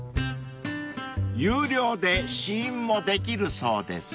［有料で試飲もできるそうです］